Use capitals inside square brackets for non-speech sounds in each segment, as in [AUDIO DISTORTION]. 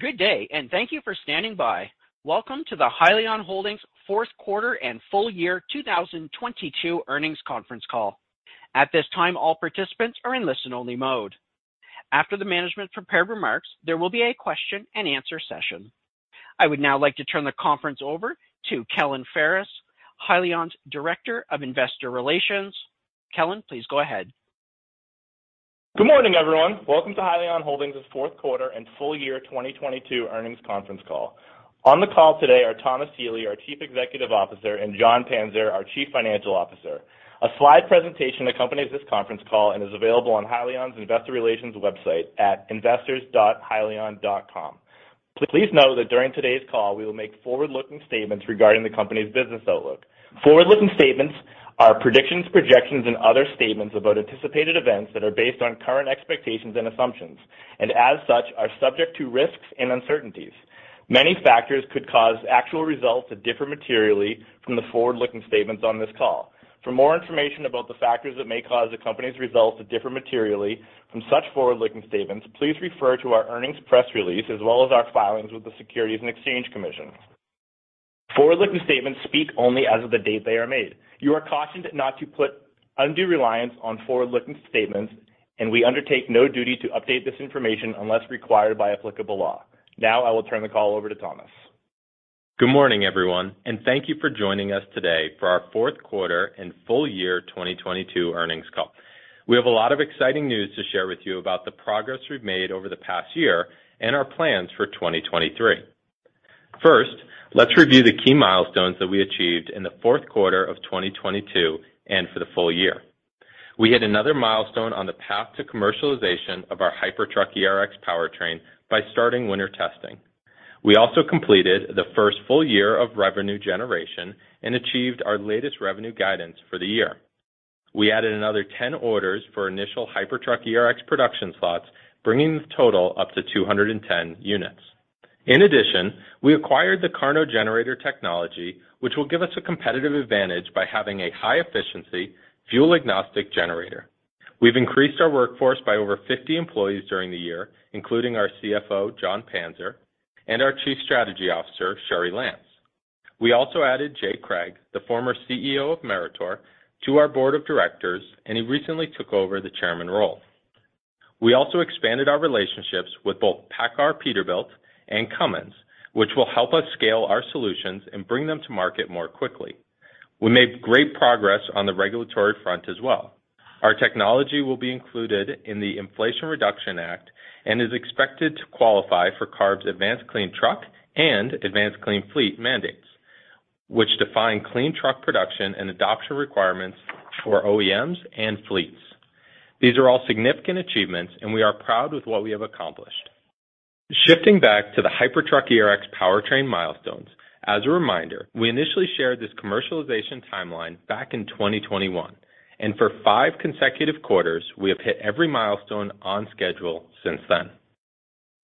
Good day, thank you for standing by. Welcome to the Hyliion Holdings Fourth Quarter and Full Year 2022 Earnings Conference Call. At this time, all participants are in listen-only mode. After the management prepared remarks, there will be a question-and-answer session. I would now like to turn the conference over to Kellen Ferris, Hyliion's Director of Investor Relations. Kellen, please go ahead. Good morning, everyone. Welcome to Hyliion Holdings' fourth quarter and full year 2022 earnings conference call. On the call today are Thomas Healy, our Chief Executive Officer, and Jon Panzer, our Chief Financial Officer. A slide presentation accompanies this conference call and is available on Hyliion's Investor Relations website at investors.hyliion.com. Please note that during today's call, we will make forward-looking statements regarding the company's business outlook. Forward-looking statements are predictions, projections, and other statements about anticipated events that are based on current expectations and assumptions, and as such, are subject to risks and uncertainties. Many factors could cause actual results to differ materially from the forward-looking statements on this call. For more information about the factors that may cause the company's results to differ materially from such forward-looking statements, please refer to our earnings press release as well as our filings with the Securities and Exchange Commission. Forward-looking statements speak only as of the date they are made. You are cautioned not to put undue reliance on forward-looking statements. We undertake no duty to update this information unless required by applicable law. Now I will turn the call over to Thomas. Good morning, everyone, and thank you for joining us today for our fourth quarter and full year 2022 earnings call. We have a lot of exciting news to share with you about the progress we've made over the past year and our plans for 2023. First, let's review the key milestones that we achieved in the fourth quarter of 2022 and for the full year. We hit another milestone on the path to commercialization of our Hypertruck ERX powertrain by starting winter testing. We also completed the first full year of revenue generation and achieved our latest revenue guidance for the year. We added another 10 orders for initial Hypertruck ERX production slots, bringing the total up to 210 units. In addition, we acquired the KARNO generator technology, which will give us a competitive advantage by having a high-efficiency, fuel-agnostic generator. We've increased our workforce by over 50 employees during the year, including our CFO, Jon Panzer, and our Chief Strategy Officer, Cheri Lantz. We also added Jay Craig, the former CEO of Meritor, to our Board of Directors, and he recently took over the chairman role. We also expanded our relationships with both PACCAR Peterbilt and Cummins, which will help us scale our solutions and bring them to market more quickly. We made great progress on the regulatory front as well. Our technology will be included in the Inflation Reduction Act and is expected to qualify for CARB's Advanced Clean Trucks and Advanced Clean Fleets mandates, which define clean truck production and adoption requirements for OEMs and fleets. These are all significant achievements, and we are proud with what we have accomplished. Shifting back to the Hypertruck ERX powertrain milestones, as a reminder, we initially shared this commercialization timeline back in 2021. For five consecutive quarters, we have hit every milestone on schedule since then.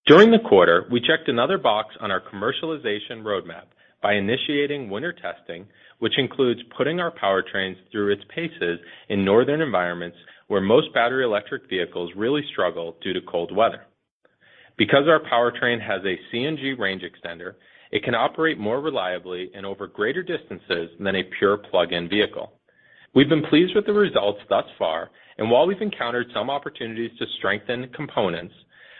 During the quarter, we checked another box on our commercialization roadmap by initiating winter testing, which includes putting our powertrains through its paces in northern environments where most battery electric vehicles really struggle due to cold weather. Because our powertrain has a CNG range extender, it can operate more reliably and over greater distances than a pure plug-in vehicle. We've been pleased with the results thus far. While we've encountered some opportunities to strengthen components,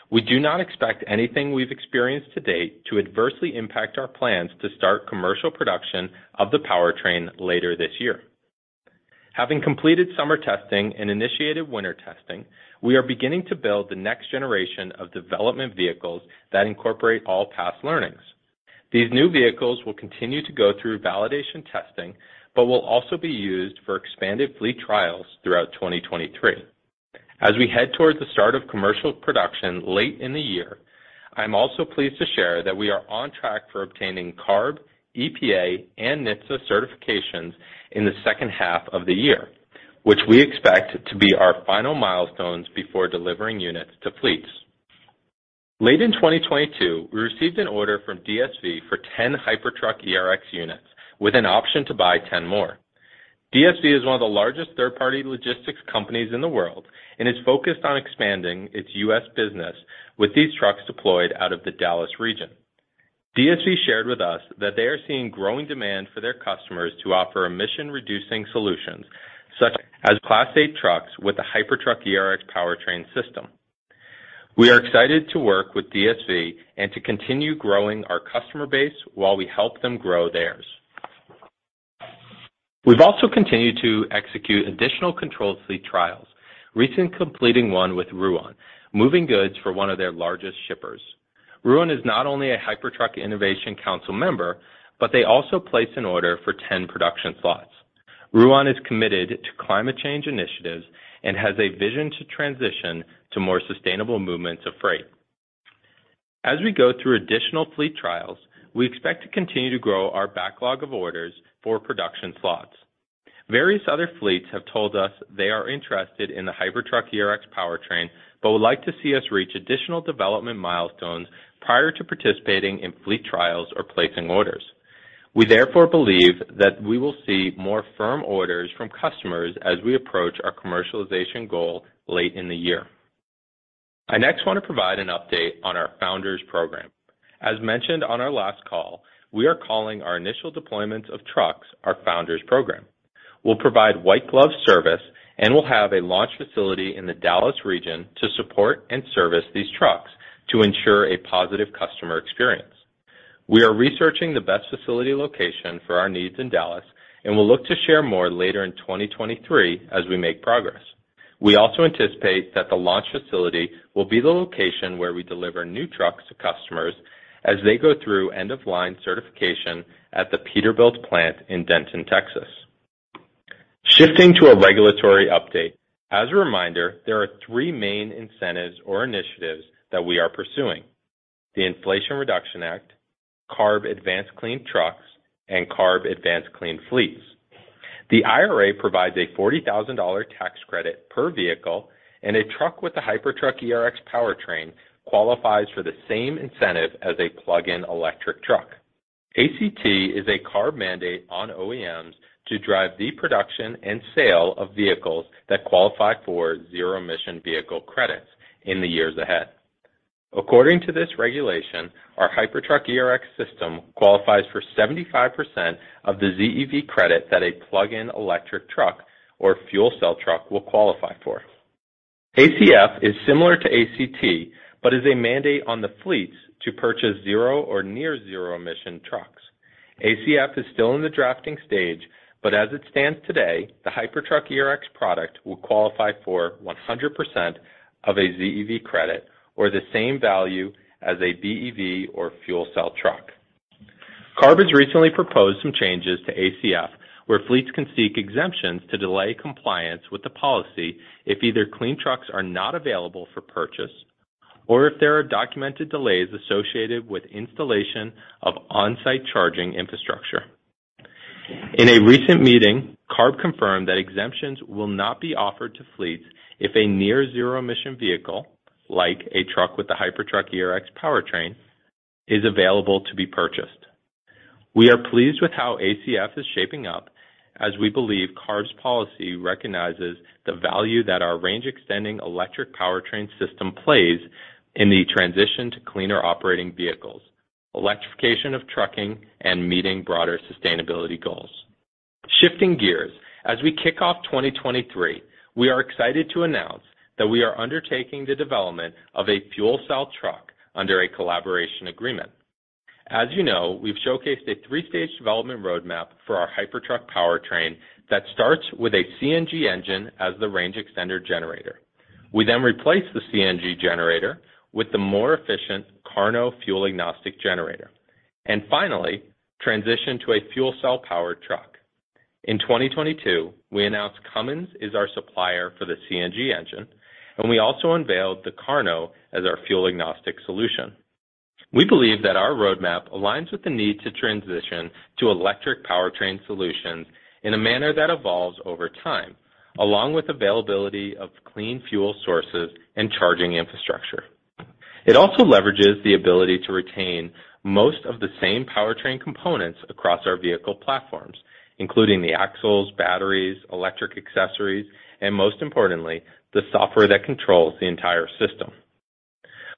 we do not expect anything we've experienced to date to adversely impact our plans to start commercial production of the powertrain later this year. Having completed summer testing and initiated winter testing, we are beginning to build the next generation of development vehicles that incorporate all past learnings. These new vehicles will continue to go through validation testing but will also be used for expanded fleet trials throughout 2023. As we head towards the start of commercial production late in the year, I'm also pleased to share that we are on track for obtaining CARB, EPA, and NHTSA certifications in the second half of the year, which we expect to be our final milestones before delivering units to fleets. Late in 2022, we received an order from DSV for 10 Hypertruck ERX units with an option to buy 10 more. DSV is one of the largest third-party logistics companies in the world and is focused on expanding its U.S. business with these trucks deployed out of the Dallas region. DSV shared with us that they are seeing growing demand for their customers to offer emission-reducing solutions such as Class 8 trucks with the Hypertruck ERX powertrain system. We are excited to work with DSV and to continue growing our customer base while we help them grow theirs. We've also continued to execute additional controlled fleet trials, recent completing one with Ruan, moving goods for one of their largest shippers. Ruan is not only a Hypertruck Innovation Council member, but they also placed an order for 10 production slots. Ruan is committed to climate change initiatives and has a vision to transition to more sustainable movements of freight. As we go through additional fleet trials, we expect to continue to grow our backlog of orders for production slots. Various other fleets have told us they are interested in the Hypertruck ERX powertrain but would like to see us reach additional development milestones prior to participating in fleet trials or placing orders. We therefore believe that we will see more firm orders from customers as we approach our commercialization goal late in the year. I next wanna provide an update on our Founders Program. As mentioned on our last call, we are calling our initial deployments of trucks our Founders Program. We'll provide white glove service and we'll have a launch facility in the Dallas region to support and service these trucks to ensure a positive customer experience. We are researching the best facility location for our needs in Dallas, and we'll look to share more later in 2023 as we make progress. We also anticipate that the launch facility will be the location where we deliver new trucks to customers as they go through end of line certification at the Peterbilt plant in Denton, Texas. Shifting to a regulatory update, as a reminder, there are three main incentives or initiatives that we are pursuing, the Inflation Reduction Act, CARB Advanced Clean Trucks, and CARB Advanced Clean Fleets. The IRA provides a $40,000 tax credit per vehicle. A truck with a Hypertruck ERX powertrain qualifies for the same incentive as a plug-in electric truck. ACT is a CARB mandate on OEMs to drive the production and sale of vehicles that qualify for zero emission vehicle credits in the years ahead. According to this regulation, our Hypertruck ERX system qualifies for 75% of the ZEV credit that a plug-in electric truck or fuel cell truck will qualify for. ACF is similar to ACT, but is a mandate on the fleets to purchase zero or near zero emission trucks. ACF is still in the drafting stage, but as it stands today, the Hypertruck ERX product will qualify for 100% of a ZEV credit or the same value as a BEV or fuel cell truck. CARB has recently proposed some changes to ACF, where fleets can seek exemptions to delay compliance with the policy if either clean trucks are not available for purchase, or if there are documented delays associated with installation of on-site charging infrastructure. In a recent meeting, CARB confirmed that exemptions will not be offered to fleets if a near zero emission vehicle, like a truck with a Hypertruck ERX powertrain, is available to be purchased. We are pleased with how ACF is shaping up as we believe CARB's policy recognizes the value that our range extending electric powertrain system plays in the transition to cleaner operating vehicles, electrification of trucking, and meeting broader sustainability goals. Shifting gears, as we kick off 2023, we are excited to announce that we are undertaking the development of a fuel cell truck under a collaboration agreement. As you know, we've showcased a three-stage development roadmap for our Hypertruck powertrain that starts with a CNG engine as the range extender generator. We then replace the CNG generator with the more efficient KARNO fuel agnostic generator, and finally transition to a fuel cell powered truck. In 2022, we announced Cummins is our supplier for the CNG engine, and we also unveiled the KARNO as our fuel agnostic solution. We believe that our roadmap aligns with the need to transition to electric powertrain solutions in a manner that evolves over time, along with availability of clean fuel sources and charging infrastructure. It also leverages the ability to retain most of the same powertrain components across our vehicle platforms, including the axles, batteries, electric accessories, and most importantly, the software that controls the entire system.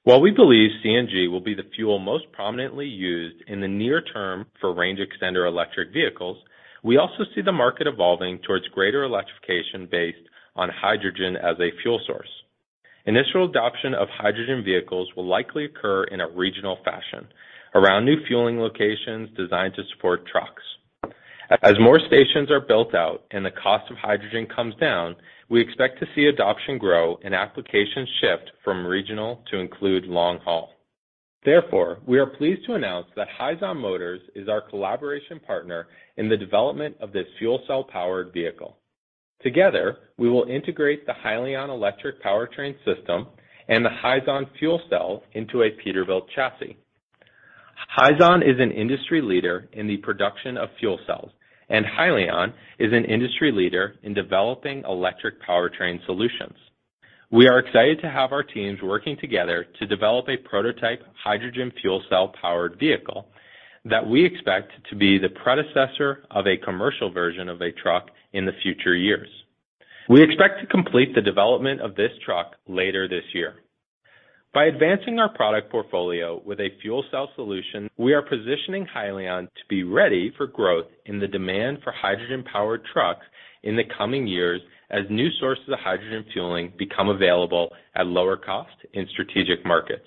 While we believe CNG will be the fuel most prominently used in the near term for range extender electric vehicles, we also see the market evolving towards greater electrification based on hydrogen as a fuel source. Initial adoption of hydrogen vehicles will likely occur in a regional fashion around new fueling locations designed to support trucks. As more stations are built out and the cost of hydrogen comes down, we expect to see adoption grow and applications shift from regional to include long haul. We are pleased to announce that Hyzon Motors is our collaboration partner in the development of this fuel cell powered vehicle. Together, we will integrate the Hyliion electric powertrain system and the Hyzon fuel cell into a Peterbilt chassis. Hyzon is an industry leader in the production of fuel cells, and Hyliion is an industry leader in developing electric powertrain solutions. We are excited to have our teams working together to develop a prototype hydrogen fuel cell powered vehicle that we expect to be the predecessor of a commercial version of a truck in the future years. We expect to complete the development of this truck later this year. By advancing our product portfolio with a fuel cell solution, we are positioning Hyliion to be ready for growth in the demand for hydrogen powered trucks in the coming years as new sources of hydrogen fueling become available at lower cost in strategic markets.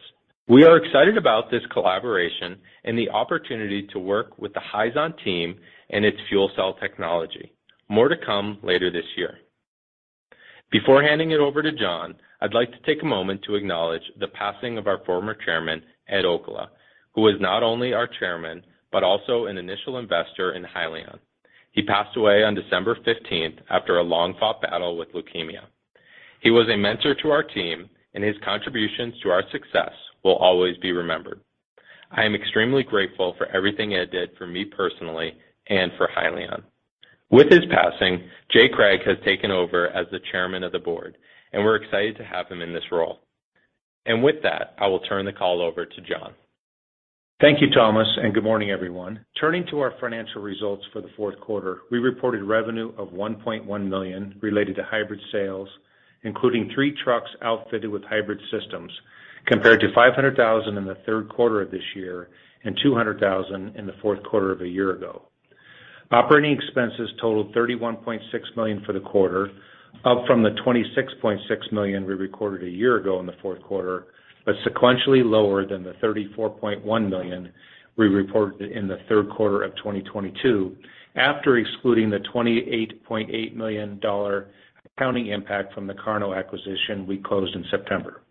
We are excited about this collaboration and the opportunity to work with the Hyzon team and its fuel cell technology. More to come later this year. Before handing it over to Jon, I'd like to take a moment to acknowledge the passing of our former Chairman, Ed Olkkola, who was not only our Chairman, but also an initial investor in Hyliion. He passed away on December 15th after a long fought battle with leukemia. He was a mentor to our team, and his contributions to our success will always be remembered. I am extremely grateful for everything Ed did for me personally and for Hyliion. With his passing, Jay Craig has taken over as the Chairman of the Board, and we're excited to have him in this role. With that, I will turn the call over to Jon. Thank you, Thomas. Good morning, everyone. Turning to our financial results for the fourth quarter, we reported revenue of $1.1 million related to hybrid sales, including three trucks outfitted with hybrid systems, compared to $500,000 in the third quarter of this year and $200,000 in the fourth quarter of a year ago. Operating expenses totaled $31.6 million for the quarter, up from the $26.6 million we recorded a year ago in the fourth quarter, but sequentially lower than the $34.1 million we reported in the third quarter of 2022, after excluding the $28.8 million accounting impact from the KARNO acquisition we closed in September.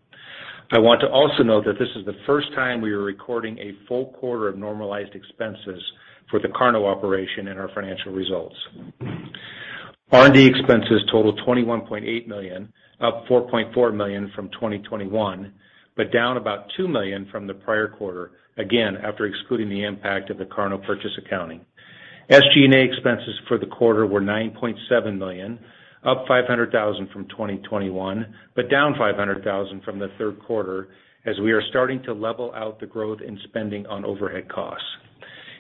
I want to also note that this is the first time we are recording a full quarter of normalized expenses for the KARNO operation in our financial results. R&D expenses totaled $21.8 million, up $4.4 million from 2021, but down about $2 million from the prior quarter, again, after excluding the impact of the KARNO purchase accounting. SG&A expenses for the quarter were $9.7 million, up $500,000 from 2021, but down $500,000 from the third quarter as we are starting to level out the growth in spending on overhead costs.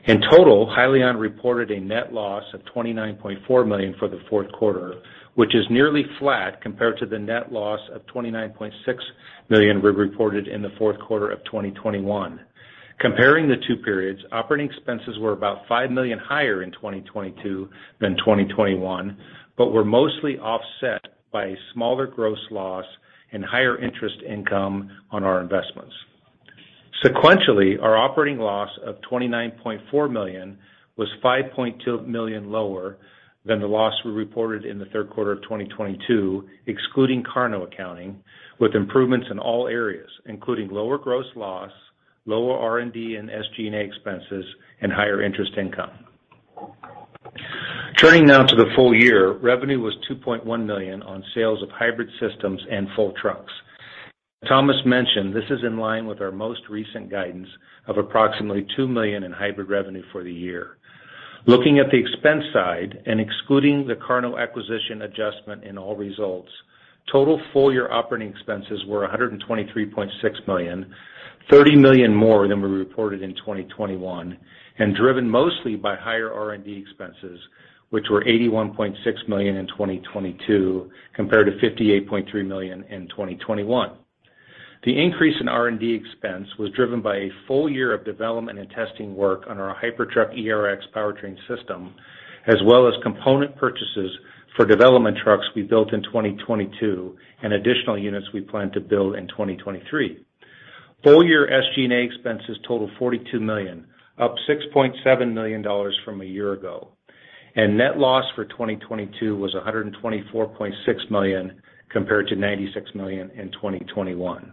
In total, Hyliion reported a net loss of $29.4 million for the fourth quarter, which is nearly flat compared to the net loss of $29.6 million we reported in the fourth quarter of 2021. Comparing the two periods, operating expenses were about $5 million higher in 2022 than 2021, but were mostly offset by a smaller gross loss and higher interest income on our investments. Sequentially, our operating loss of $29.4 million was $5.2 million lower than the loss we reported in the third quarter of 2022, excluding KARNO accounting, with improvements in all areas, including lower gross loss, lower R&D and SG&A expenses, and higher interest income. Turning now to the full year, revenue was $2.1 million on sales of hybrid systems and full trucks. Thomas mentioned this is in line with our most recent guidance of approximately $2 million in hybrid revenue for the year. Excluding the KARNO acquisition adjustment in all results, total full year operating expenses were $123.6 million, $30 million more than we reported in 2021, driven mostly by higher R&D expenses, which were $81.6 million in 2022 compared to $58.3 million in 2021. The increase in R&D expense was driven by a full year of development and testing work on our Hypertruck ERX powertrain system, as well as component purchases for development trucks we built in 2022 and additional units we plan to build in 2023. Full year SG&A expenses totaled $42 million, up $6.7 million from a year ago. Net loss for 2022 was $124.6 million compared to $96 million in 2021.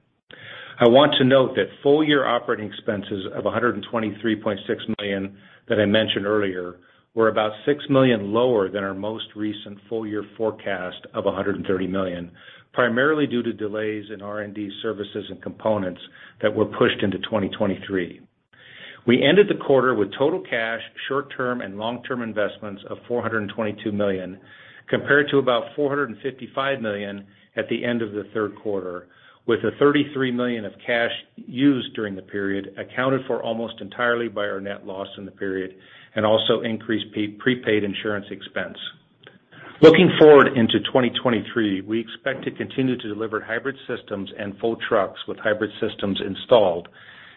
I want to note that full year operating expenses of $123.6 million that I mentioned earlier were about $6 million lower than our most recent full year forecast of $130 million, primarily due to delays in R&D services and components that were pushed into 2023. We ended the quarter with total cash, short-term and long-term investments of $422 million compared to about $455 million at the end of the third quarter, with the $33 million of cash used during the period accounted for almost entirely by our net loss in the period, and also increased prepaid insurance expense. Looking forward into 2023, we expect to continue to deliver hybrid systems and full trucks with hybrid systems installed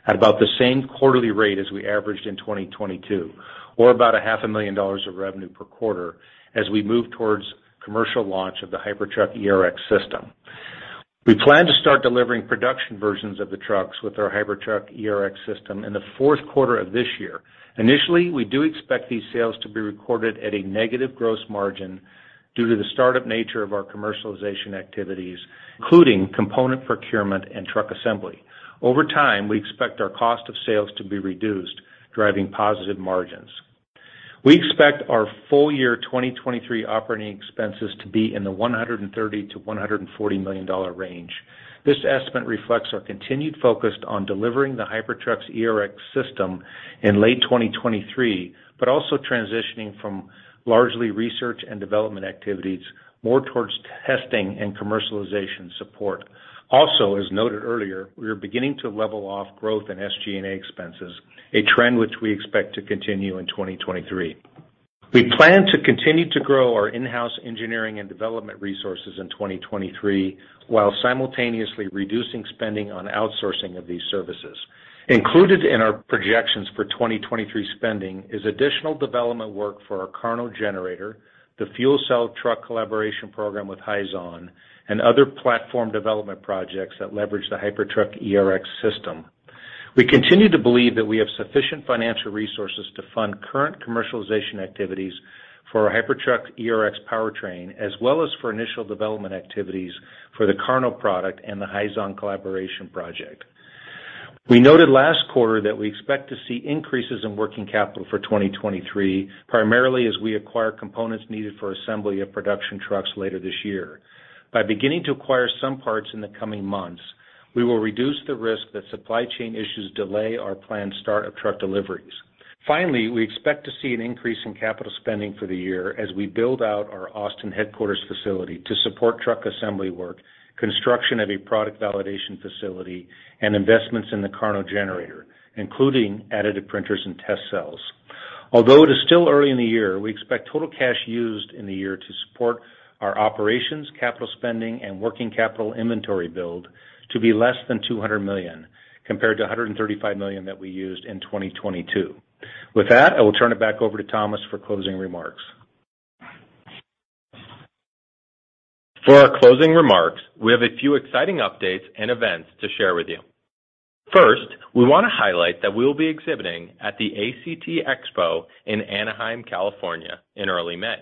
at about the same quarterly rate as we averaged in 2022 or about $0.5 million revenue per quarter as we move towards commercial launch of the Hypertruck ERX system. We plan to start delivering production versions of the trucks with our Hypertruck ERX system in the fourth quarter of this year. Initially, we do expect these sales to be recorded at a negative gross margin due to the start-up nature of our commercialization activities, including component procurement and truck assembly. Over time, we expect our cost of sales to be reduced, driving positive margins. We expect our full year 2023 operating expenses to be in the $130 million-$140 million range. This estimate reflects our continued focus on delivering the Hypertruck's ERX system in late 2023, also transitioning from largely research and development activities more towards testing and commercialization support. Also, as noted earlier, we are beginning to level off growth in SG&A expenses, a trend which we expect to continue in 2023. We plan to continue to grow our in-house engineering and development resources in 2023, while simultaneously reducing spending on outsourcing of these services. Included in our projections for 2023 spending is additional development work for our KARNO generator, the fuel cell truck collaboration program with Hyzon, and other platform development projects that leverage the Hypertruck ERX system. We continue to believe that we have sufficient financial resources to fund current commercialization activities for our Hypertruck ERX powertrain, as well as for initial development activities for the KARNO product and the Hyzon collaboration project. We noted last quarter that we expect to see increases in working capital for 2023, primarily as we acquire components needed for assembly of production trucks later this year. By beginning to acquire some parts in the coming months, we will reduce the risk that supply chain issues delay our planned start of truck deliveries. Finally, we expect to see an increase in capital spending for the year as we build out our Austin headquarters facility to support truck assembly work, construction of a product validation facility, and investments in the KARNO generator, including additive printers and test cells. Although it is still early in the year, we expect total cash used in the year to support our operations, capital spending, and working capital inventory build to be less than $200 million, compared to $135 million that we used in 2022. With that, I will turn it back over to Thomas for closing remarks. For our closing remarks, we have a few exciting updates and events to share with you. First, we wanna highlight that we will be exhibiting at the ACT Expo in Anaheim, California, in early May.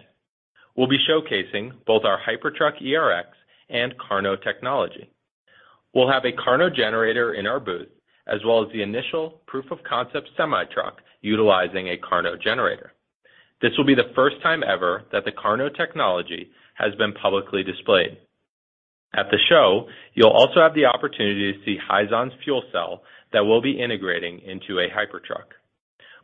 We'll be showcasing both our Hypertruck ERX and KARNO technology. We'll have a KARNO generator in our booth, as well as the initial proof of concept semi-truck utilizing a KARNO generator. This will be the first time ever that the KARNO technology has been publicly displayed. At the show, you'll also have the opportunity to see Hyzon's fuel cell that we'll be integrating into a Hypertruck.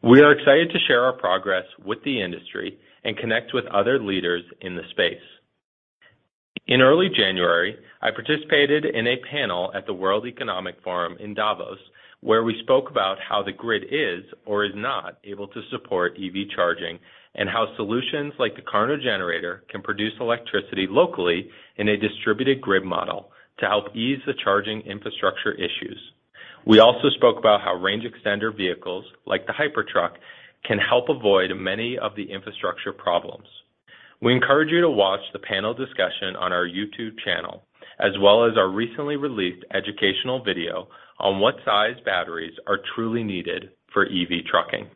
We are excited to share our progress with the industry and connect with other leaders in the space. In early January, I participated in a panel at the World Economic Forum in Davos, where we spoke about how the grid is or is not able to support EV charging and how solutions like the KARNO generator can produce electricity locally in a distributed grid model to help ease the charging infrastructure issues. We also spoke about how range extender vehicles like the Hypertruck can help avoid many of the infrastructure problems. We encourage you to watch the panel discussion on our YouTube channel, as well as our recently released educational video on what size batteries are truly needed for EV trucking.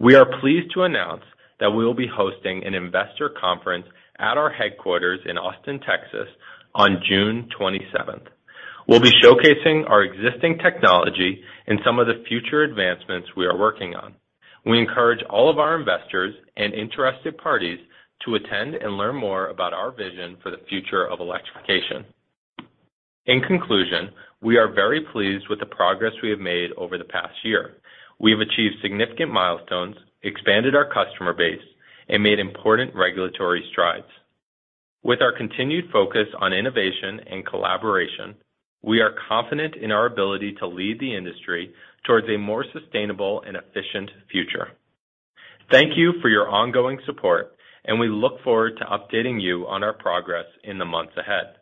We are pleased to announce that we will be hosting an Investor Conference at our headquarters in Austin, Texas, on June 27th. We'll be showcasing our existing technology and some of the future advancements we are working on. We encourage all of our investors and interested parties to attend and learn more about our vision for the future of electrification. In conclusion, we are very pleased with the progress we have made over the past year. We have achieved significant milestones, expanded our customer base, and made important regulatory strides. With our continued focus on innovation and collaboration, we are confident in our ability to lead the industry towards a more sustainable and efficient future. Thank you for your ongoing support, and we look forward to updating you on our progress in the months ahead.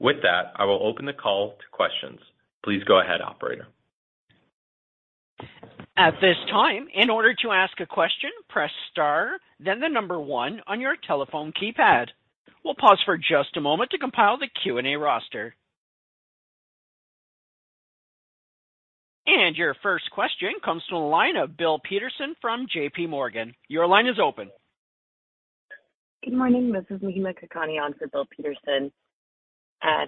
With that, I will open the call to questions. Please go ahead, operator. At this time, in order to ask a question, press star then the number one on your telephone keypad. We'll pause for just a moment to compile the Q&A roster. Your first question comes from the line of Bill Peterson from JPMorgan. Your line is open. Good morning. This is Mahima Kakani on for Bill Peterson.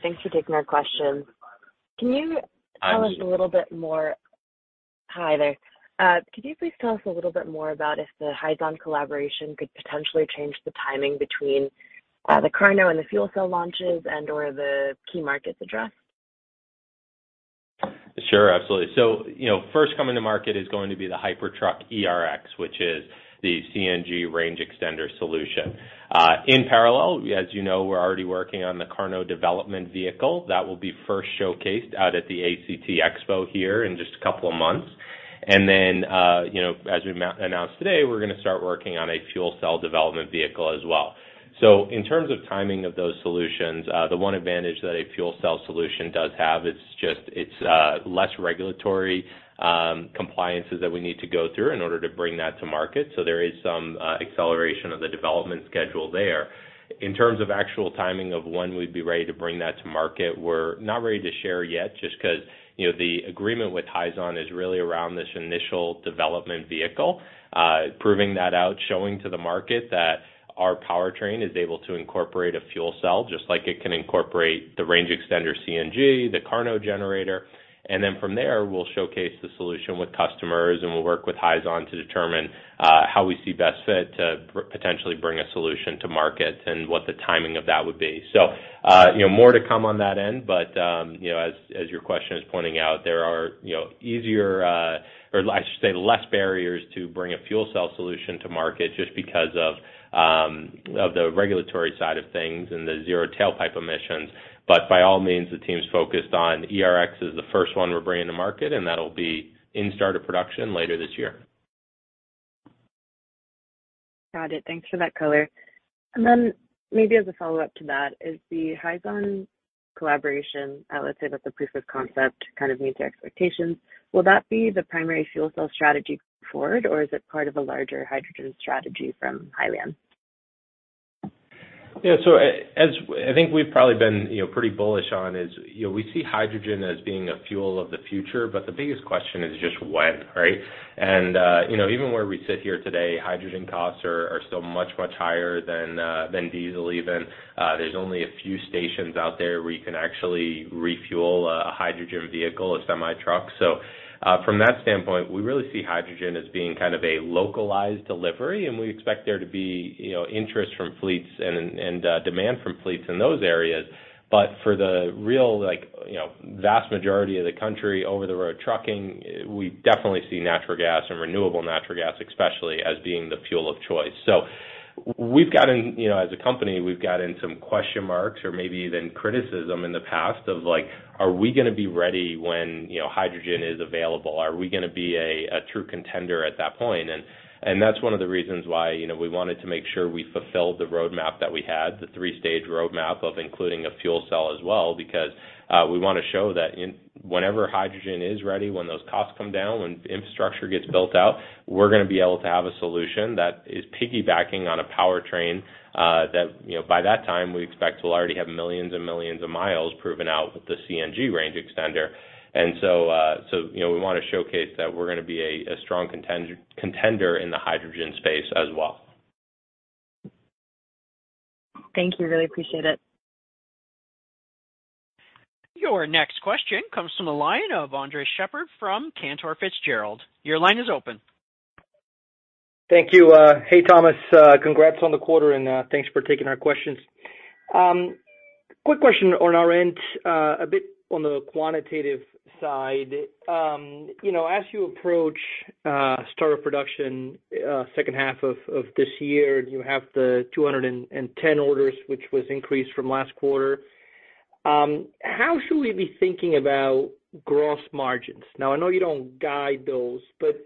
Thanks for taking our question. Hi, there. Could you please tell us a little bit more about if the Hyzon collaboration could potentially change the timing between the KARNO and the fuel cell launches and or the key markets addressed? Absolutely. You know, first coming to market is going to be the Hypertruck ERX, which is the CNG range extender solution. In parallel, as you know, we're already working on the KARNO development vehicle that will be first showcased out at the ACT Expo here in just a couple of months. You know, as we announced today, we're gonna start working on a fuel cell development vehicle as well. In terms of timing of those solutions, the one advantage that a fuel cell solution does have is just it's less regulatory compliances that we need to go through in order to bring that to market. There is some acceleration of the development schedule there. In terms of actual timing of when we'd be ready to bring that to market, we're not ready to share yet just 'cause, you know, the agreement with Hyzon is really around this initial development vehicle, proving that out, showing to the market that our powertrain is able to incorporate a fuel cell just like it can incorporate the range extender CNG, the KARNO generator. Then from there, we'll showcase the solution with customers, and we'll work with Hyzon to determine, how we see best fit to potentially bring a solution to market and what the timing of that would be. You know, more to come on that end, but, you know, as your question is pointing out, there are, you know, easier, or I should say less barriers to bring a fuel cell solution to market just because of the regulatory side of things and the zero tailpipe emissions. By all means, the team's focused on ERX as the first one we're bringing to market, and that'll be in start of production later this year. Got it. Thanks for that color. Maybe as a follow-up to that, is the Hyzon collaboration, let's say that the proof of concept kind of meets your expectations, will that be the primary fuel cell strategy going forward, or is it part of a larger hydrogen strategy from Hyliion? Yeah. As I think we've probably been, you know, pretty bullish on is, you know, we see hydrogen as being a fuel of the future, but the biggest question is just when, right? You know, even where we sit here today, hydrogen costs are still much, much higher than diesel even. There's only a few stations out there where you can actually refuel a hydrogen vehicle, a semi-truck. From that standpoint, we really see hydrogen as being kind of a localized delivery, and we expect there to be, you know, interest from fleets and demand from fleets in those areas. For the real, like, you know, vast majority of the country over the road trucking, we definitely see natural gas and renewable natural gas especially as being the fuel of choice. We've gotten, you know, as a company, we've gotten some question marks or maybe even criticism in the past of, like, are we gonna be ready when, you know, hydrogen is available? Are we gonna be a true contender at that point? That's one of the reasons why, you know, we wanted to make sure we fulfilled the roadmap that we had, the three-stage roadmap of including a fuel cell as well, because we wanna show that whenever hydrogen is ready, when those costs come down, when infrastructure gets built out, we're gonna be able to have a solution that is piggybacking on a powertrain that, you know, by that time, we expect we'll already have millions and millions of miles proven out with the CNG range extender. You know, we wanna showcase that we're gonna be a strong contender in the hydrogen space as well. Thank you. Really appreciate it. Your next question comes from the line of Andres Sheppard from Cantor Fitzgerald. Your line is open. Thank you. Hey, Thomas. Congrats on the quarter, thanks for taking our questions. Quick question on our end, a bit on the quantitative side. You know, as you approach start of production, second half of this year, you have the 210 orders, which was increased from last quarter. How should we be thinking about gross margins? I know you don't guide those, but,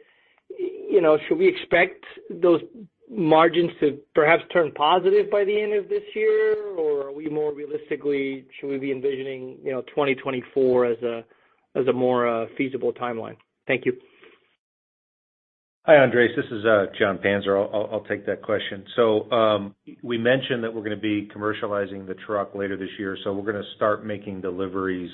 you know, should we expect those margins to perhaps turn positive by the end of this year, or are we more realistically should we be envisioning, you know, 2024 as a more feasible timeline? Thank you. Hi, Andres. This is Jon Panzer. I'll take that question. We mentioned that we're gonna be commercializing the truck later this year, so, we're gonna start making deliveries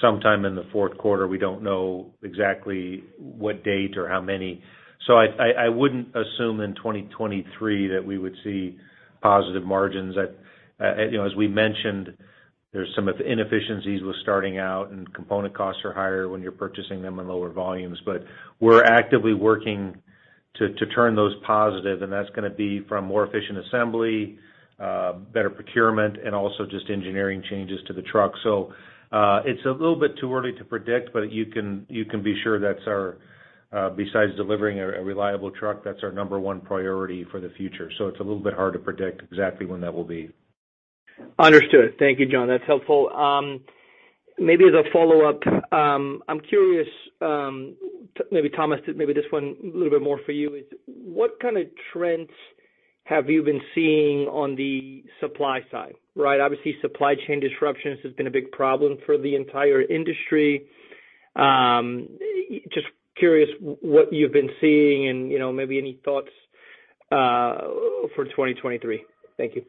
sometime in the fourth quarter. We don't know exactly what date or how many. I wouldn't assume in 2023 that we would see positive margins. You know, as we mentioned, there's some inefficiencies with starting out and component costs are higher when you're purchasing them in lower volumes. We're actively working to turn those positive, and that's gonna be from more efficient assembly, better procurement, and also just engineering changes to the truck. It's a little bit too early to predict, but you can be sure that's our, besides delivering a reliable truck, that's our number one priority for the future. It's a little bit hard to predict exactly when that will be. Understood. Thank you, Jon. That's helpful. Maybe as a follow-up, I'm curious, maybe Thomas, maybe this one a little bit more for you, is what kind of trends have you been seeing on the supply side, right? Obviously, supply chain disruptions has been a big problem for the entire industry. Just curious what you've been seeing and, you know, maybe any thoughts for 2023. Thank you.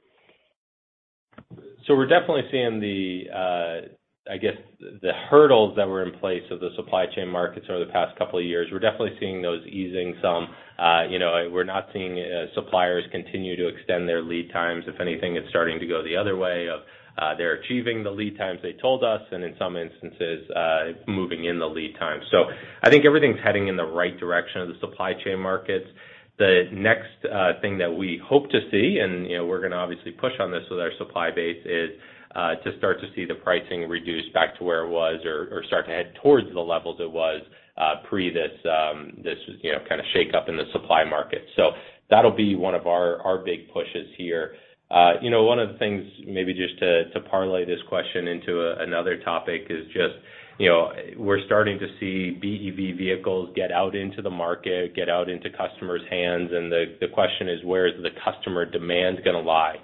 We're definitely seeing the, I guess the hurdles that were in place of the supply chain markets over the past couple of years. We're definitely seeing those easing some. You know, we're not seeing suppliers continue to extend their lead times. If anything, it's starting to go the other way of, they're achieving the lead times they told us, and in some instances, moving in the lead time. I think everything's heading in the right direction of the supply chain markets. The next thing that we hope to see, and, you know, we're gonna obviously push on this with our supply base, is to start to see the pricing reduced back to where it was or start to head towards the levels it was, pre this, you know, kinda shakeup in the supply market. That'll be one of our big pushes here. You know, one of the things maybe just to parlay this question into another topic is just, you know, we're starting to see BEV vehicles get out into the market, get out into customers' hands, and the question is: Where is the customer demand gonna lie?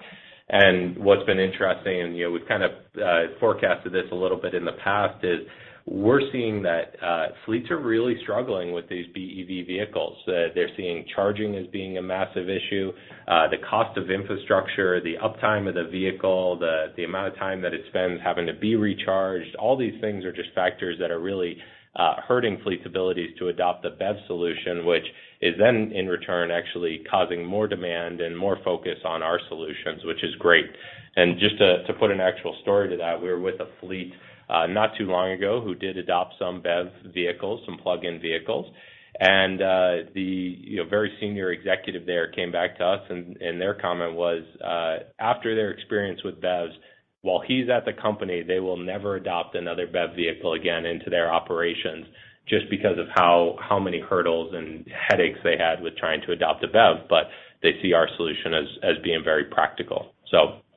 What's been interesting, and, you know, we've kind of forecasted this a little bit in the past, is we're seeing that fleets are really struggling with these BEV vehicles. They're seeing charging as being a massive issue, the cost of infrastructure, the uptime of the vehicle, the amount of time that it spends having to be recharged. All these things are just factors that are really hurting fleets' abilities to adopt a BEV solution, which is then, in return, actually causing more demand and more focus on our solutions, which is great. Just to put an actual story to that, we were with a fleet not too long ago who did adopt some BEV vehicles, some plug-in vehicles. The, you know, very senior executive there came back to us, and their comment was after their experience with BEVs, while he's at the company, they will never adopt another BEV vehicle again into their operations just because of how many hurdles and headaches they had with trying to adopt a BEV, but they see our solution as being very practical.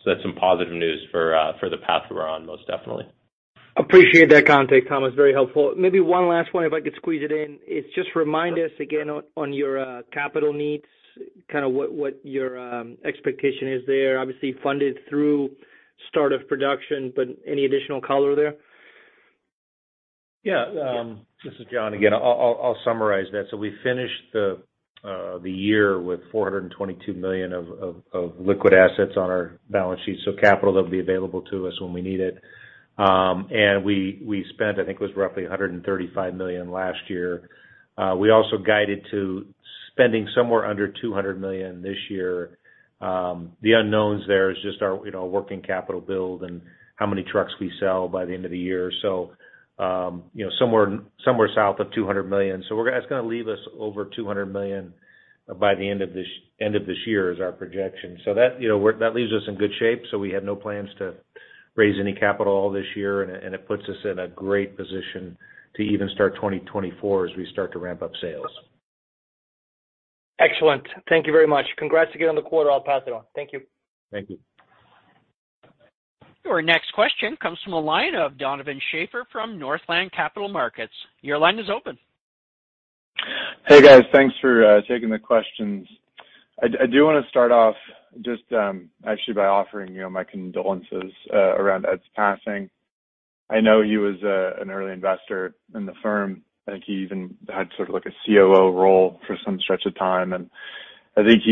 That's some positive news for the path we're on, most definitely. Appreciate that context, Thomas. Very helpful. Maybe one last one, if I could squeeze it in. It's just remind us again on your capital needs, kinda what your expectation is there, obviously funded through start of production, but any additional color there? Yeah. This is Jon again. I'll summarize that. We finished the year with $422 million of liquid assets on our balance sheet, so capital that'll be available to us when we need it. We spent, I think it was roughly $135 million last year. We also guided to spending somewhere under $200 million this year. The unknowns there is just our, you know, working capital build and how many trucks we sell by the end of the year. You know, somewhere south of $200 million. It's gonna leave us over $200 million by the end of this year is our projection. That, you know, that leaves us in good shape, we have no plans to raise any capital this year, and it puts us in a great position to even start 2024 as we start to ramp up sales. Excellent. Thank you very much. Congrats again on the quarter. I'll pass it on. Thank you. Thank you. Your next question comes from the line of Donovan Schafer from Northland Capital Markets. Your line is open. Hey, guys. Thanks for taking the questions. I do wanna start off just actually by offering you my condolences around Ed's passing. I know he was an early investor in the firm. I think he even had sort of like a COO role for some stretch of time, and I think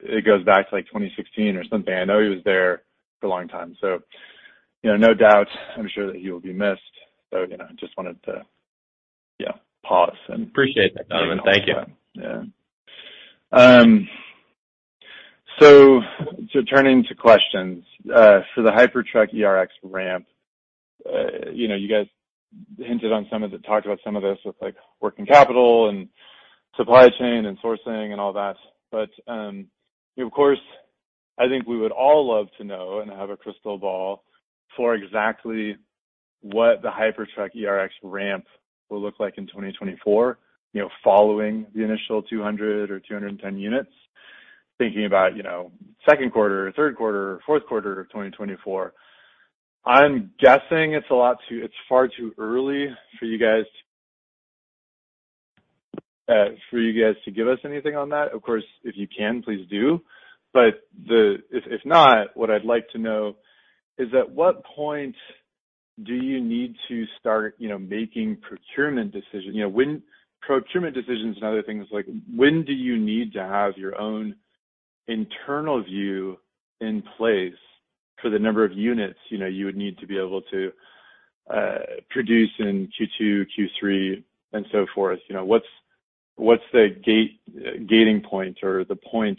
it goes back to, like, 2016 or something. I know he was there for a long time, you know, no doubt. I'm sure that he will be missed. You know, just wanted to, yeah, pause and. Appreciate that, Donovan. Thank you. Yeah. Turning to questions. The Hypertruck ERX ramp, you know, you guys hinted on some of talked about some of this with, like, working capital and supply chain and sourcing and all that. Of course, I think we would all love to know and have a crystal ball for exactly what the Hypertruck ERX ramp will look like in 2024, you know, following the initial 200 or 210 units. Thinking about, you know, second quarter, third quarter, fourth quarter of 2024. I'm guessing it's far too early for you guys, for you guys to give us anything on that. Of course, if you can, please do. If not, what I'd like to know is, at what point do you need to start, you know, making procurement decisions? You know, when procurement decisions and other things. Like, when do you need to have your own internal view in place for the number of units, you know, you would need to be able to produce in Q2, Q3, and so forth? You know, what's the gating point or the point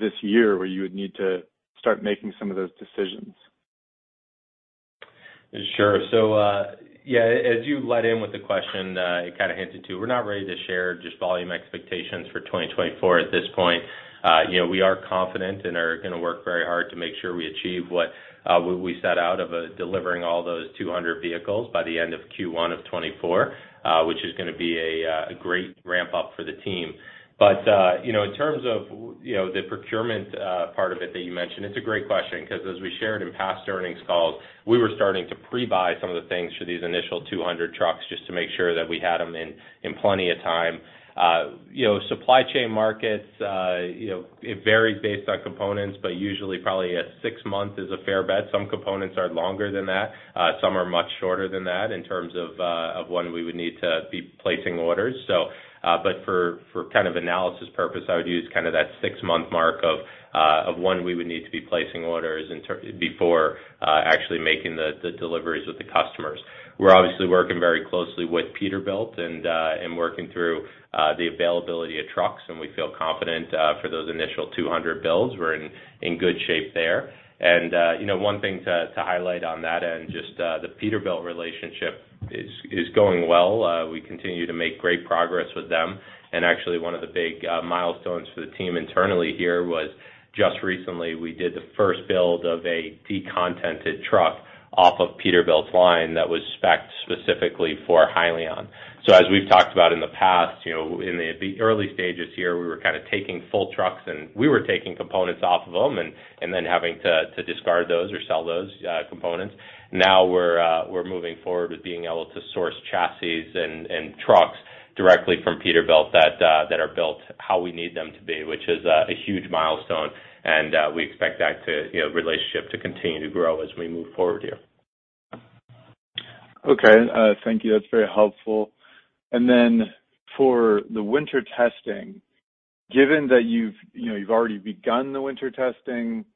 this year where you would need to start making some of those decisions? Sure. Yeah, as you led in with the question, it kinda hints into, we're not ready to share just volume expectations for 2024 at this point. You know, we are confident and are gonna work very hard to make sure we achieve what we set out of delivering all those 200 vehicles by the end of Q1 of 2024, which is gonna be a great ramp-up for the team. You know, in terms of, you know, the procurement part of it that you mentioned, it's a great question 'cause as we shared in past earnings calls, we were starting to pre-buy some of the things for these initial 200 trucks just to make sure that we had them in plenty of time. You know, supply chain markets, you know, it varies based on components, but usually probably at six months is a fair bet. Some components are longer than that, some are much shorter than that in terms of when we would need to be placing orders. But for kind of analysis purpose, I would use kind of that six-month mark of when we would need to be placing orders before actually making the deliveries with the customers. We're obviously working very closely with Peterbilt and working through the availability of trucks, and we feel confident for those initial 200 builds. We're in good shape there. You know, one thing to highlight on that end, just, the Peterbilt relationship is going well. We continue to make great progress with them. Actually, one of the big milestones for the team internally here was just recently we did the first build of a decontented truck off of Peterbilt's line that was spec'd specifically for Hyliion. As we've talked about in the past, you know, in the early stages here, we were kinda taking full trucks and we were taking components off of them and then having to discard those or sell those components. Now we're moving forward with being able to source chassis and trucks directly from Peterbilt that are built how we need them to be, which is a huge milestone, and we expect that relationship to continue to grow as we move forward here. Okay. Thank you. That's very helpful. For the winter testing, given that you've, you know, you've already begun the winter testing,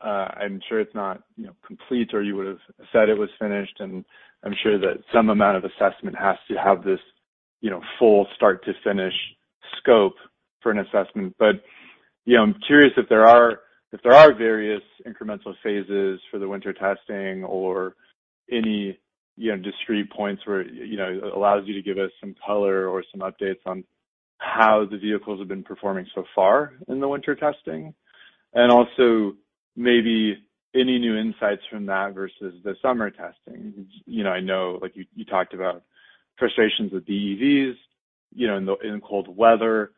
I'm sure it's not, you know, complete or you would've said it was finished, and I'm sure that some amount of assessment has to have this, you know, full start-to-finish scope for an assessment. You know, I'm curious if there are various incremental phases for the winter testing or any, you know, discrete points where, you know, it allows you to give us some color or some updates on how the vehicles have been performing so far in the winter testing. Also maybe any new insights from that versus the summer testing. You know, I know, like you talked about frustrations with BEVs, you know, in the, in cold weather.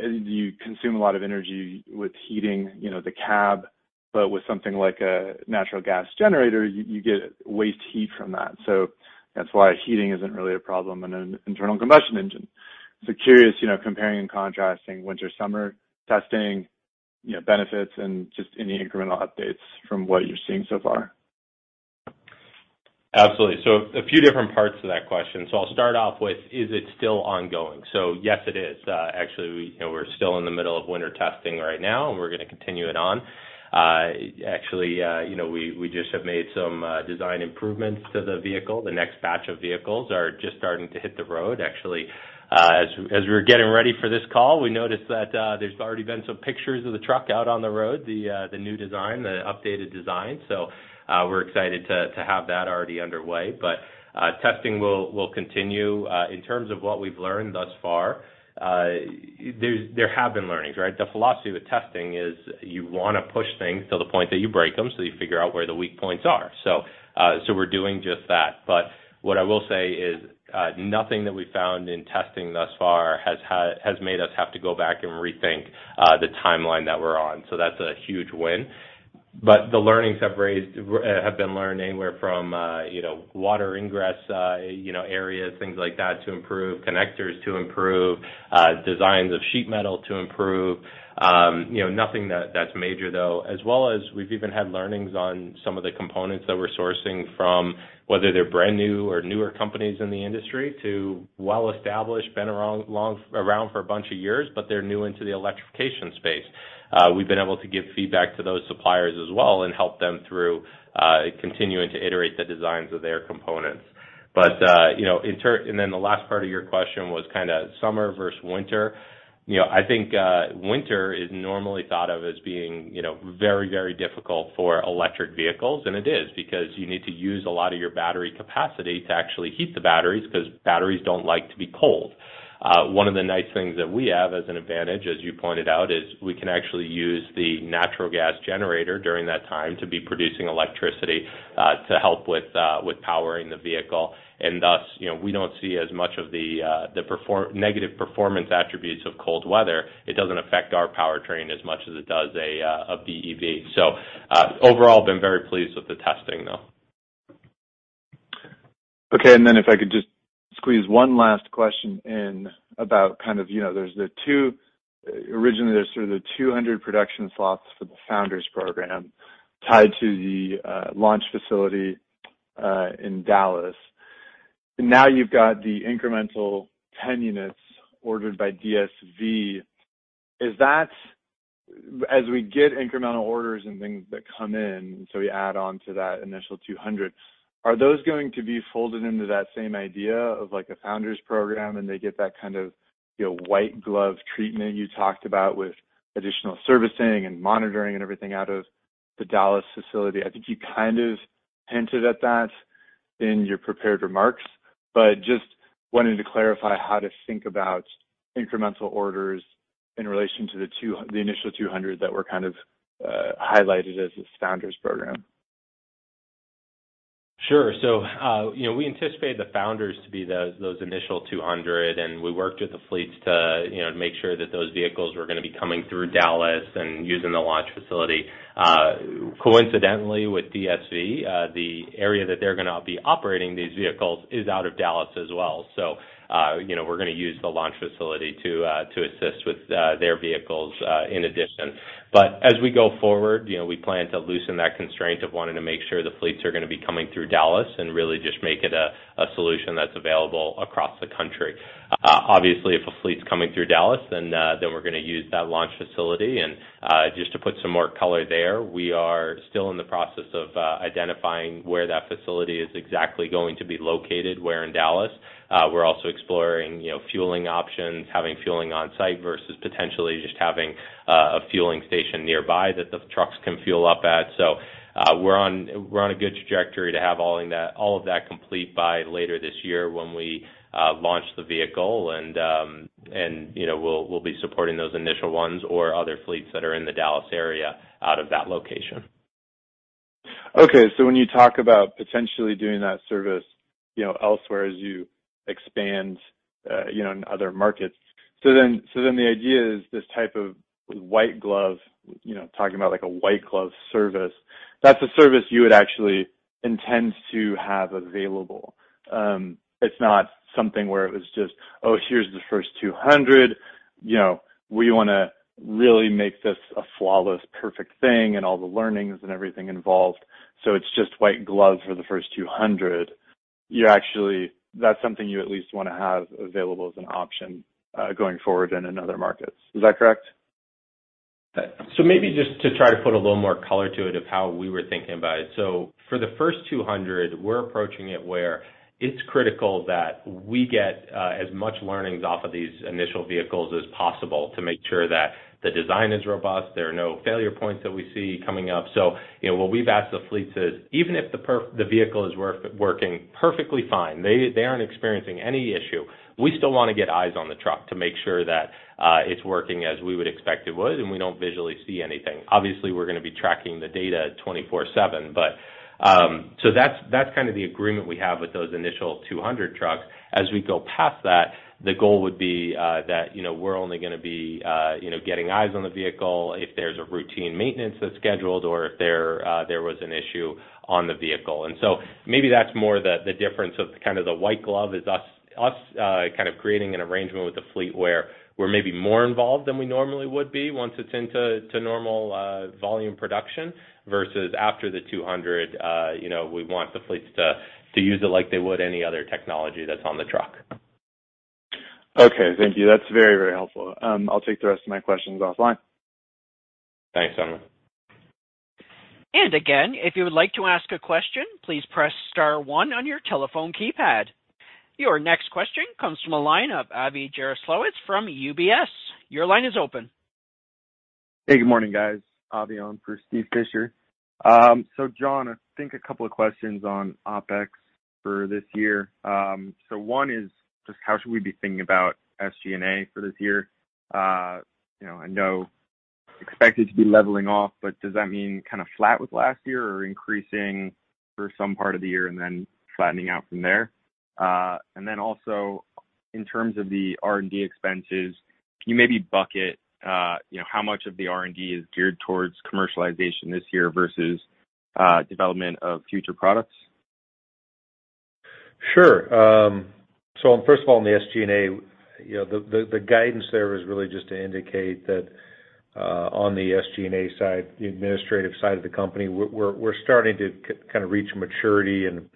You consume a lot of energy with heating, you know, the cab. With something like a natural gas generator, you get waste heat from that. That's why heating isn't really a problem in an internal combustion engine. Curious, you know, comparing and contrasting winter-summer testing, you know, benefits and just any incremental updates from what you're seeing so far? Absolutely. A few different parts to that question. I'll start off with, is it still ongoing? Yes, it is. Actually, we, you know, we're still in the middle of winter testing right now, and we're gonna continue it on. Actually, you know, we just have made some design improvements to the vehicle. The next batch of vehicles are just starting to hit the road. Actually, as we were getting ready for this call, we noticed that there's already been some pictures of the truck out on the road, the new design, the updated design. We're excited to have that already underway. Testing will continue. In terms of what we've learned thus far, there have been learnings, right? The philosophy with testing is you wanna push things to the point that you break them, so you figure out where the weak points are. We're doing just that. What I will say is, nothing that we found in testing thus far has made us have to go back and rethink the timeline that we're on. That's a huge win. The learnings have been learned anywhere from, you know, water ingress, you know, areas, things like that, to improve connectors, to improve designs of sheet metal to improve, you know, nothing that's major though. As well as we've even had learnings on some of the components that we're sourcing from, whether they're brand new or newer companies in the industry to well-established, been around long-around for a bunch of years, but they're new into the electrification space. We've been able to give feedback to those suppliers as well and help them through continuing to iterate the designs of their components. You know, the last part of your question was kinda summer versus winter. You know, I think winter is normally thought of as being, you know, very, very difficult for electric vehicles, and it is because you need to use a lot of your battery capacity to actually heat the batteries 'cause batteries don't like to be cold. One of the nice things that we have as an advantage, as you pointed out, is we can actually use the natural gas generator during that time to be producing electricity, to help with powering the vehicle. Thus, you know, we don't see as much of the negative performance attributes of cold weather. It doesn't affect our powertrain as much as it does a BEV. Overall, been very pleased with the testing, though. Okay. If I could just squeeze one last question in about kind of, you know, there's originally, there's sort of the 200 production slots for the Founders Program tied to the launch facility in Dallas. Now you've got the incremental 10 units ordered by DSV. As we get incremental orders and things that come in, so we add on to that initial 200, are those going to be folded into that same idea of like a Founders Program and they get that kind of, you know, white glove treatment you talked about with additional servicing and monitoring and everything out of the Dallas facility? I think you kind of hinted at that in your prepared remarks, but just wanting to clarify how to think about incremental orders in relation to the initial 200 that were kind of highlighted as this Founders Program. Sure. You know, we anticipate the Founders to be those initial 200, and we worked with the fleets to, you know, make sure that those vehicles were gonna be coming through Dallas and using the launch facility. Coincidentally with DSV, the area that they're gonna be operating these vehicles is out of Dallas as well. You know, we're gonna use the launch facility to assist with their vehicles in addition. As we go forward, you know, we plan to loosen that constraint of wanting to make sure the fleets are gonna be coming through Dallas and really just make it a solution that's available across the country. Obviously, if a fleet's coming through Dallas then we're gonna use that launch facility. Just to put some more color there, we are still in the process of identifying where that facility is exactly going to be located, where in Dallas. We're also exploring, you know, fueling options, having fueling on-site versus potentially just having a fueling station nearby that the trucks can fuel up at. We're on a good trajectory to have all of that complete by later this year when we launch the vehicle. You know, we'll be supporting those initial ones or other fleets that are in the Dallas area out of that location. When you talk about potentially doing that service, you know, elsewhere as you expand, you know, in other markets. The idea is this type of white glove, you know, talking about like a white glove service, that's a service you would actually intend to have available. It's not something where it was just, "Oh, here's the first 200, you know, we wanna really make this a flawless, perfect thing, and all the learnings and everything involved, so it's just white glove for the first 200." You actually, that's something you at least wanna have available as an option, going forward and in other markets. Is that correct? Maybe just to try to put a little more color to it of how we were thinking about it. For the first 200, we're approaching it where it's critical that we get as much learnings off of these initial vehicles as possible to make sure that the design is robust, there are no failure points that we see coming up. You know, what we've asked the fleet is, even if the vehicle is working perfectly fine, they aren't experiencing any issue, we still wanna get eyes on the truck to make sure that it's working as we would expect it would, and we don't visually see anything. Obviously, we're gonna be tracking the data 24/7. That's, that's kind of the agreement we have with those initial 200 trucks. As we go past that, the goal would be that, you know, we're only gonna be, you know, getting eyes on the vehicle if there's a routine maintenance that's scheduled or if there was an issue on the vehicle. Maybe that's more the difference of kind of the white glove is us, kind of creating an arrangement with the fleet where we're maybe more involved than we normally would be once it's into normal volume production, versus after the 200, you know, we want the fleets to use it like they would any other technology that's on the truck. Okay. Thank you. That's very, very helpful. I'll take the rest of my questions offline. Thanks, Donovan. Again, if you would like to ask a question, please press star one on your telephone keypad. Your next question comes from a line of Avi Jaroslawicz from UBS. Your line is open. Hey, good morning, guys. Avi on for Steve Fisher. Jon, I think a couple of questions on OpEx for this year. One is just how should we be thinking about SG&A for this year? You know, I know expected to be leveling off, but does that mean kind of flat with last year or increasing for some part of the year and then flattening out from there? Also in terms of the R&D expenses, can you maybe bucket, you know, how much of the R&D is geared towards commercialization this year versus development of future products? Sure. First of all, in the SG&A, you know, the guidance there is really just to indicate that on the SG&A side, the administrative side of the company, we're starting to kind of reach maturity and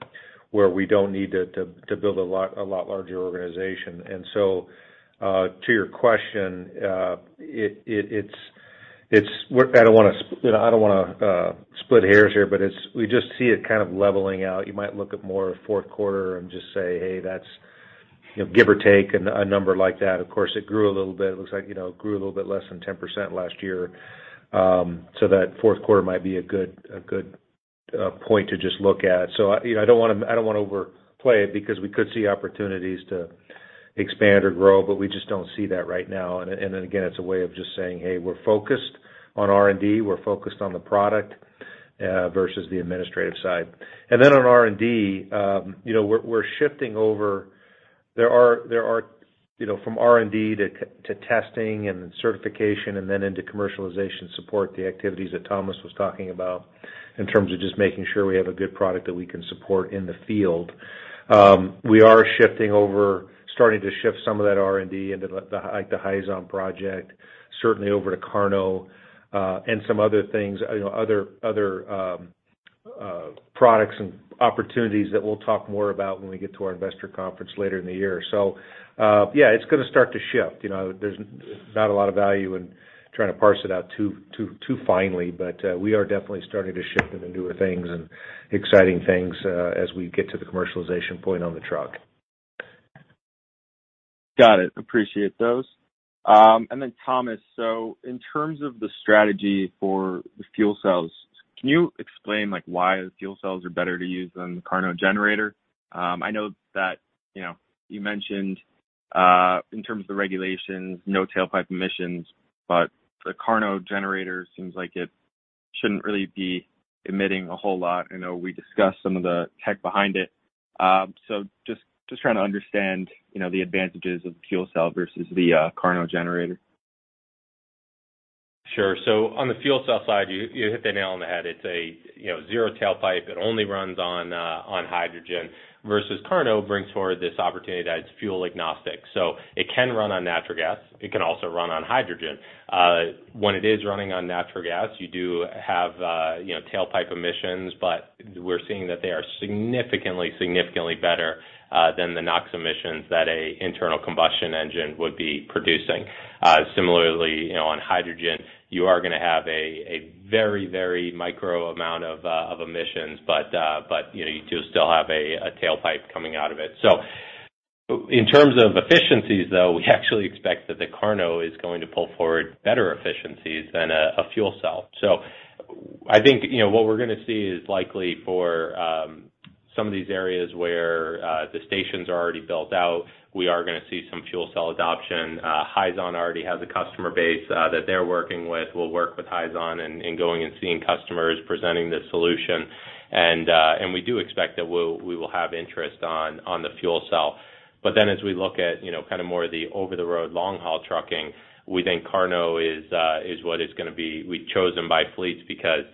where we don't need to build a lot larger organization. To your question, it's I don't wanna you know, I don't wanna split hairs here, but it's, we just see it kind of leveling out. You might look at more fourth quarter and just say, "Hey, that's, you know, give or take a number like that." Of course, it grew a little bit. It looks like, you know, it grew a little bit less than 10% last year. So that fourth quarter might be a good point to just look at. You know, I don't wanna overplay it because we could see opportunities to expand or grow, but we just don't see that right now. Then again, it's a way of just saying, "Hey, we're focused on R&D, we're focused on the product versus the administrative side." Then on R&D, you know, we're shifting over. There are, you know, from R&D to testing and then certification and then into commercialization support, the activities that Thomas was talking about in terms of just making sure we have a good product that we can support in the field. We are shifting over, starting to shift some of that R&D into the, like the Hyzon project, certainly over to KARNO, and some other things, you know, other products and opportunities that we'll talk more about when we get to our Investor Conference later in the year. Yeah, it's gonna start to shift. You know, there's not a lot of value in trying to parse it out too finely, but we are definitely starting to shift into newer things and exciting things, as we get to the commercialization point on the truck. Got it. Appreciate those. Then Thomas, so in terms of the strategy for the fuel cells, can you explain like why the fuel cells are better to use than the KARNO generator? I know that, you know, you mentioned in terms of the regulations, no tailpipe emissions, the KARNO generator seems like it shouldn't really be emitting a whole lot. I know we discussed some of the tech behind it. Just trying to understand, you know, the advantages of the fuel cell versus the KARNO generator. Sure. On the fuel cell side, you hit the nail on the head. It's a, you know, zero tailpipe. It only runs on hydrogen versus KARNO brings forward this opportunity that it's fuel agnostic. It can run on natural gas, it can also run on hydrogen. When it is running on natural gas, you do have, you know, tailpipe emissions, but we're seeing that they are significantly [AUDIO DISTORTION] better than the NOx emissions that a internal combustion engine would be producing. Similarly, you know, on hydrogen, you are gonna have a very, very micro amount of emissions, but, you know, you do still have a tailpipe coming out of it. In terms of efficiencies, though, we actually expect that the KARNO is going to pull forward better efficiencies than a fuel cell. I think, you know, what we're gonna see is likely for some of these areas where the stations are already built out, we are gonna see some fuel cell adoption. Hyzon already has a customer base that they're working with. We'll work with Hyzon in going and seeing customers presenting this solution. We do expect that we will have interest on the fuel cell. As we look at, you know, kind of more the over-the-road long-haul trucking, we think KARNO is what is gonna be chosen by fleets because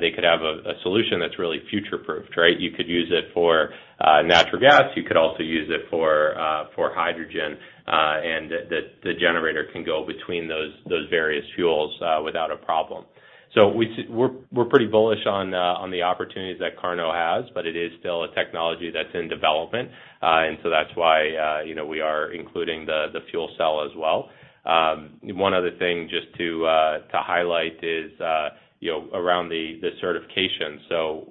they could have a solution that's really future-proofed, right? You could use it for natural gas, you could also use it for hydrogen, and the generator can go between those various fuels without a problem. We're pretty bullish on the opportunities that KARNO has, but it is still a technology that's in development. So that's why, you know, we are including the fuel cell as well. One other thing just to highlight is, you know, around the certification.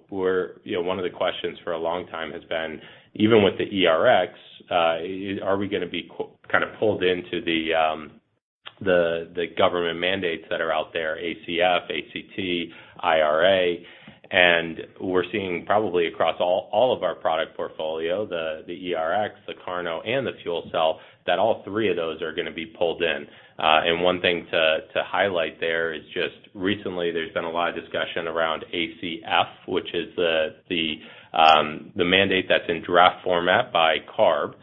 You know, one of the questions for a long time has been, even with the ERX, are we gonna be kind of pulled into the government mandates that are out there, ACF, ACT, IRA? We're seeing probably across all of our product portfolio, the ERX, the KARNO, and the fuel cell, that all three of those are gonna be pulled in. One thing to highlight there is just recently there's been a lot of discussion around ACF, which is the mandate that's in draft format by CARB.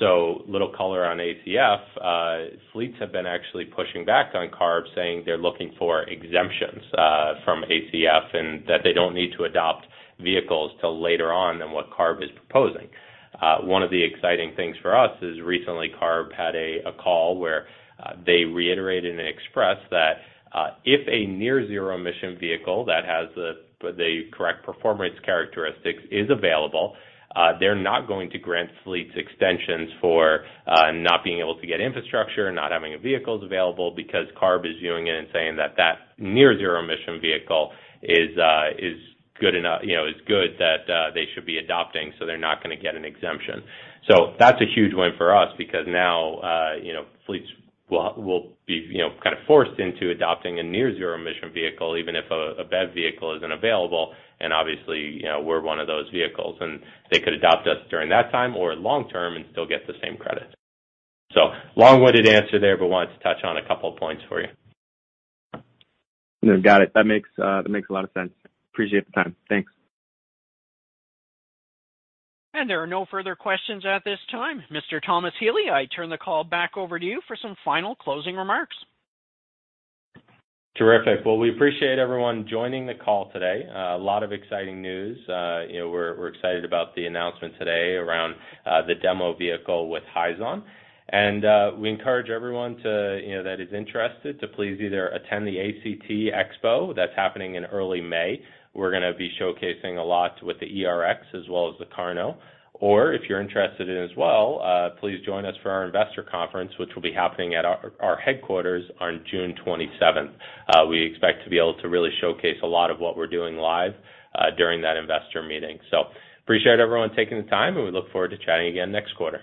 Little color on ACF. Fleets have been actually pushing back on CARB, saying they're looking for exemptions from ACF, and that they don't need to adopt vehicles till later on than what CARB is proposing. One of the exciting things for us is recently CARB had a call where they reiterated and expressed that if a near zero emission vehicle that has the correct performance characteristics is available, they're not going to grant fleets extensions for not being able to get infrastructure, not having vehicles available because CARB is viewing it and saying that that near zero emission vehicle is good enough, you know, is good, that they should be adopting, so they're not gonna get an exemption. That's a huge win for us because now, you know, fleets will be, you know, kind of forced into adopting a near zero emission vehicle, even if a BEV vehicle isn't available. Obviously, you know, we're one of those vehicles, and they could adopt us during that time or long term and still get the same credit. Long-winded answer there, but wanted to touch on a couple of points for you. Got it. That makes a lot of sense. Appreciate the time. Thanks. There are no further questions at this time. Mr. Thomas Healy, I turn the call back over to you for some final closing remarks. Terrific. Well, we appreciate everyone joining the call today. A lot of exciting news. You know, we're excited about the announcement today around the demo vehicle with Hyzon. We encourage everyone to, you know, that is interested to please either attend the ACT Expo that's happening in early May. We're gonna be showcasing a lot with the ERX as well as the KARNO. Or if you're interested in as well, please join us for our Investor Conference, which will be happening at our headquarters on June 27th. We expect to be able to really showcase a lot of what we're doing live during that investor meeting. Appreciate everyone taking the time, and we look forward to chatting again next quarter.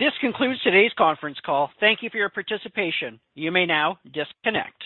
This concludes today's conference call. Thank you for your participation. You may now disconnect.